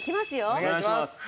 お願いします。